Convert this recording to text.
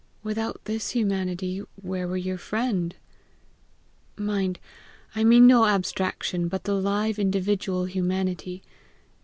Without this humanity where were your friend? Mind, I mean no abstraction, but the live individual humanity.